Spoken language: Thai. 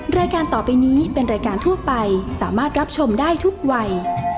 รายการต่อไปนี้เป็นรายการทั่วไปสามารถรับชมได้ทุกวัย